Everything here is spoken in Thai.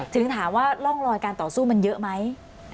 ถึงถามว่าร่องรอยการต่อสู้มันเยอะไหม